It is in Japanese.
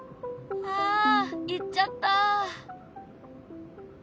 あ行っちゃった。